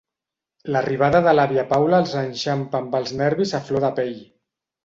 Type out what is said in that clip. L'arribada de l'àvia Paula els enxampa amb els nervis a flor de pell.